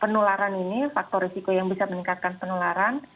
penularan ini faktor risiko yang bisa meningkatkan penularan